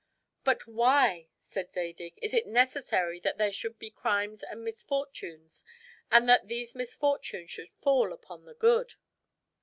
"But why," said Zadig, "is it necessary that there should be crimes and misfortunes, and that these misfortunes should fall on the good?"